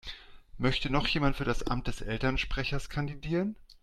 Möchte noch jemand für das Amt des Elternsprechers kandidieren?